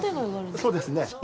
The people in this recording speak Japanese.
そうですね。